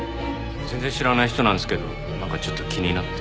全然知らない人なんですけどなんかちょっと気になって。